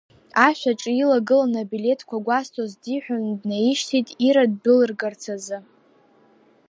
Ашә аҿы илагыланы абилеҭқәа гәазҭоз диҳәаны днаишьҭит Ира ддәылыргарц азы.